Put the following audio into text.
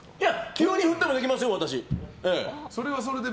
急に振ってもできますよ、私。